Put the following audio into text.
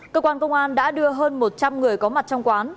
cơ quan công an đã đưa hơn một trăm linh người có mặt trong quán